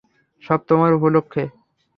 সব তোমার উপলক্ষে।